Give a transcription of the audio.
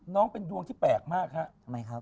น้องเป็นดวงที่แปลกมากครับ